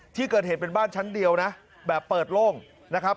ที่เกิดเหตุเป็นบ้านชั้นเดียวนะแบบเปิดโล่งนะครับ